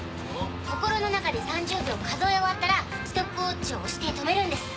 心の中で３０秒数え終わったらストップウオッチを押して止めるんです。